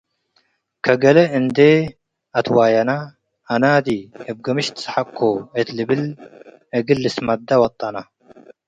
ከገሌ እንዴ አትዋየነ፤ “አናዲ እብ ግምሽ ትሰሐቅኮ”ሥ እት ልብል እግል ልስመደ ወጠነ።